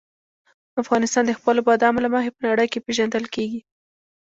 افغانستان د خپلو بادامو له مخې په نړۍ کې پېژندل کېږي.